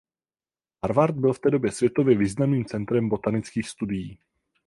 Harvard byl v té době světově významným centrem botanických studií.